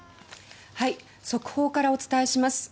速報からお伝えします。